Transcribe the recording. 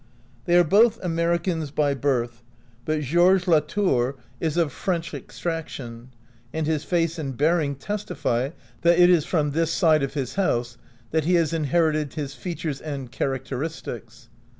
They are both Americans by birth, but Georges Latour is 3 OUT OF BOHEMIA of French extraction, and his face and bear ing testify that it is from this side of his house that he has inherited his features and characteristics.